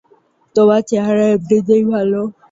তোমার চেহারা এমনিতেই ভালো।